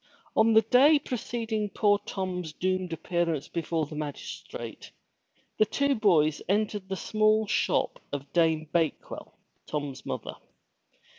On the day preceding poor Tom's doomed appearance before the magistrate, the two boys entered the small shop of Dame Bakewell, Tom's mother.